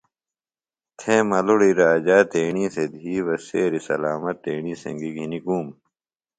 تھےۡ ملُڑی راجا تیݨی سےۡ دِھی بہ سیریۡ سلامت تیݨی سنگیۡ گِھنیۡ گُوم